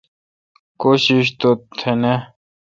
کوشش تو تھ نا۔